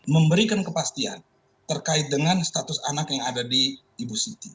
memberikan kepastian terkait dengan status anak yang ada di ibu siti